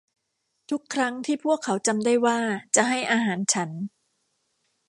ทุกครั้งที่พวกเขาจำได้ว่าจะให้อาหารฉัน